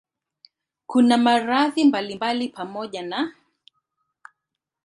Kuna maradhi mbalimbali pamoja na